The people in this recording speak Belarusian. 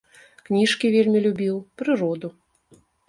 Кніжкі вельмі любіў, прыроду.